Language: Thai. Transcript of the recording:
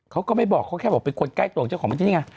เขาก็ไม่บอกเขาแค่บอกเป็นคนใกล้ตัวของเจ้าของที่นี่ไง